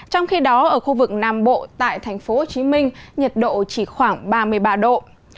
trong khi đó ở khu vực nam bộ tại thành phố hồ chí minh nhiệt độ chỉ khoảng ba mươi ba độ